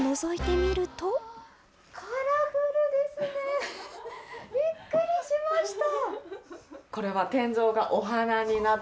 びっくりしました！